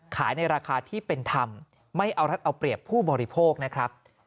ในราคาที่เป็นธรรมไม่เอารัฐเอาเปรียบผู้บริโภคนะครับ